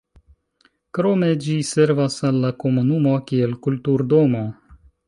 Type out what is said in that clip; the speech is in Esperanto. Krome ĝi servas al la komunumo kiel kulturdomo.